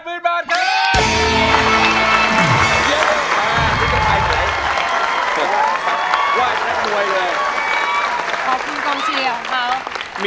หล่นหล่น